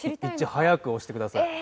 早く押してください。